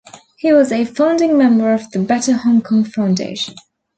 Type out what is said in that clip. He was a founding member of the Better Hong Kong Foundation.